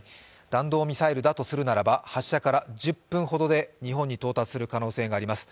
弾道ミサイルだとするならば、発射から１０分ほどで日本に到達する可能性があります。